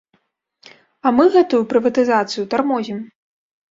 А мы гэтую прыватызацыю тармозім.